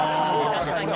確かにね。